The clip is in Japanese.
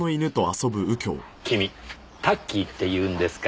君田ッキーっていうんですか。